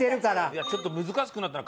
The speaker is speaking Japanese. いやちょっと難しくなったな。